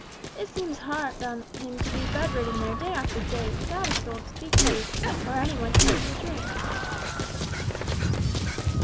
It seems hard on him to be bedridden there day after day without a soul to speak to; or any one to give him a drink!"